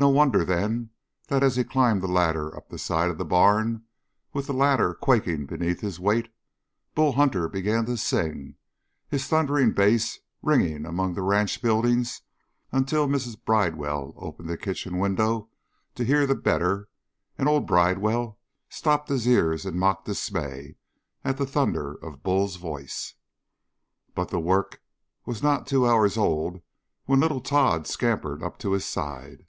No wonder, then, that as he climbed the ladder up the side of the barn, with the ladder quaking beneath his weight, Bull Hunter began to sing, his thundering bass ringing among the ranch buildings until Mrs. Bridewell opened the kitchen window to hear the better, and old Bridewell stopped his ears in mock dismay at the thunder of Bull's voice. But the work was not two hours old when little Tod scampered up to his side.